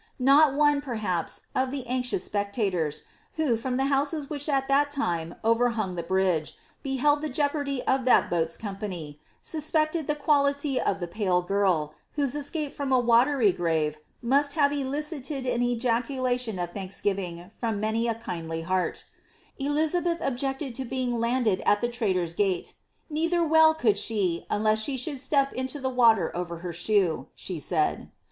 Not one, perhaps, of the anxious spectators, who, from the houses which at that time overhung the bridge, beheld the jeopardy of that boat's company, suspected the quality of the pale girl, whose escape from a watery grave must have elicited an ejaculation of thanksgiving from many a kindly heart Elizabeth objected to being landed at the tiaitor's gate, '' neither well could she, unless she should step into the water over her shoe," she said.